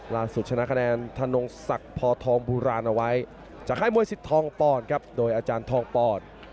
ชนะคะแนนธนงศักดิ์พอทองโบราณเอาไว้จากค่ายมวยสิทธองปอนครับโดยอาจารย์ทองปอน